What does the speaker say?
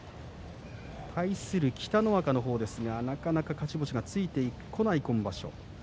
対する北の若の方ですがなかなか勝ち星がついてこない今場所。